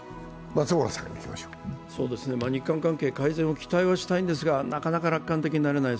日韓関係改善を期待はしたいんですが、なかなか楽観的になれない。